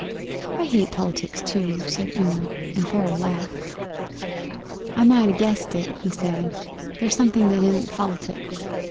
'I hate politics, too,' said Una, and Pharaoh laughed. 'I might ha' guessed it,' he said. 'But here's something that isn't politics.